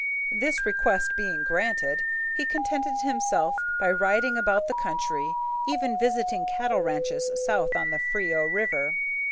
This request being granted, he contented himself by riding about the country, even visiting cattle ranches south on the Frio River.